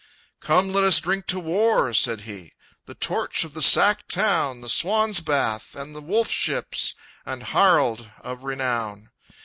"Come, let us drink to war!" said he, "The torch of the sacked town! The swan's bath and the wolf ships, And Harald of renown!